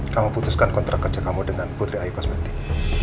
kamu putuskan kontrak kerja kamu dengan putri ayu kosmetik